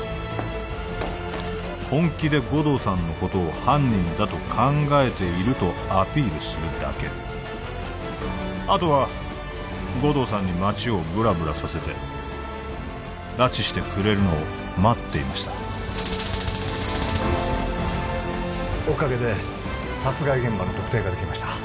本気で護道さんのことを犯人だと考えているとアピールするだけあとは護道さんに街をブラブラさせて拉致してくれるのを待っていましたおかげで殺害現場の特定ができました